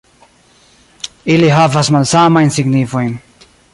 Ili havas malsamajn signifojn.